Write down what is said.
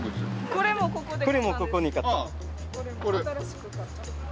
これもここで買った。